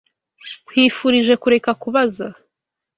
Nkwifurije kureka kubaza.